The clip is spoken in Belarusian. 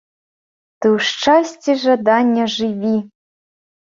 Ты ў шчасці жадання жыві!